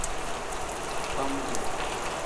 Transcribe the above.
Bam-duu.